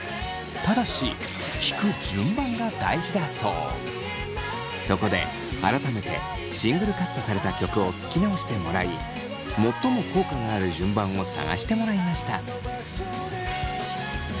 ただしそこで改めてシングルカットされた曲を聴き直してもらい最も効果がある順番を探してもらいました。